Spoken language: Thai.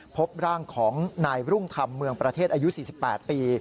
พบร่างของนายรุ่งธรรมเมืองประเทศอายุ๔๘ปี